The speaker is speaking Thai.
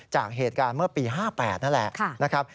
จากเหตุการณ์เมื่อปี๕๘นั่นแหละนะครับ